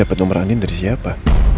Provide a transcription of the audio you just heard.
dapet nomor andin dari siapa